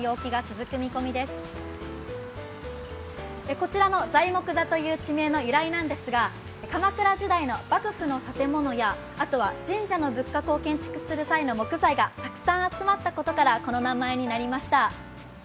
こちらの材木座という地名の由来なんですが鎌倉時代の幕府の建物や神社の仏閣を建築する際の木材がたくさん集まったことからこの名前になりました。